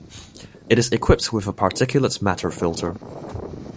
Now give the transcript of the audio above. It is equipped with a particulate matter filter.